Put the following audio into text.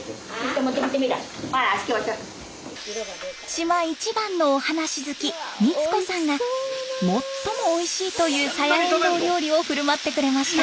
島一番のお話好き光子さんが最もおいしいというサヤエンドウ料理を振る舞ってくれました。